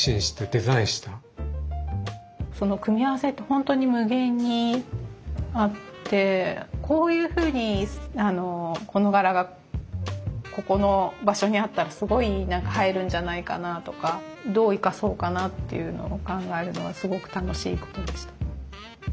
縦糸横糸にこういうふうにこの柄がここの場所にあったらすごい映えるんじゃないかなとかどう生かそうかなっていうのを考えるのはすごく楽しいことでした。